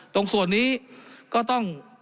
ตรงส่วนนี้ก็ต้อง